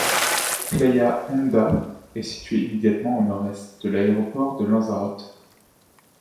Playa Honda est située immédiatement au nord-est de l'aéroport de Lanzarote.